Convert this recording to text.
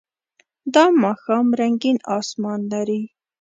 دا ماښام رنګین آسمان لري.